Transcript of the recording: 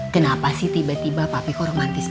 kenapa sih tiba tiba papiku romantis banget